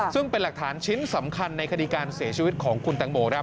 ซึ่งเป็นหลักฐานชิ้นสำคัญในคดีการเสียชีวิตของคุณตังโม